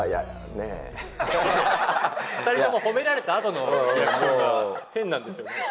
２人とも褒められたあとのリアクションが変なんですよね